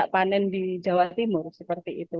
itu pun yang diminta karena itu puncak panen di jawa timur